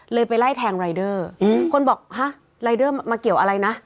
ไปไล่แทงรายเดอร์คนบอกฮะรายเดอร์มาเกี่ยวอะไรนะ